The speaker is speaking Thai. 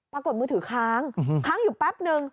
มือถือค้างค้างอยู่แป๊บนึง